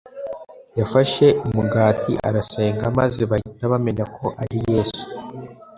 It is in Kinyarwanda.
yafashe umugati arasenga, maze bahita bamenya ko ari Yesu